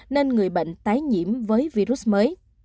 nên người bệnh tái nhiễm với virus mới